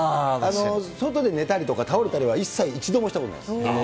外で寝たりとか、倒れたりとかは一切、一度もしたことないです。